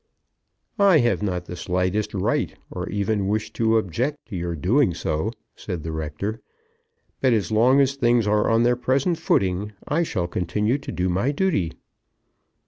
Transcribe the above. "I have not the slightest right or even wish to object to your doing so," said the rector; "but as long as things are on their present footing, I shall continue to do my duty."